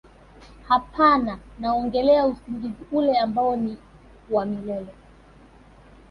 hapana naongelea usingizi ule ambao ni wa milele